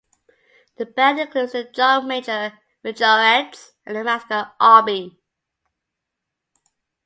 The band includes the Drum Major, Majorettes, and the mascot, Obie.